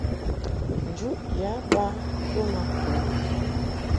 Njuʼ yǎ ba bə ma Kundu.